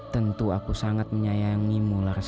tentu aku sangat menyayangimu laras